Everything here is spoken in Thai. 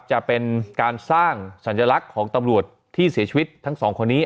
จะเป็นการสร้างสัญลักษณ์ของตำรวจที่เสียชีวิตทั้งสองคนนี้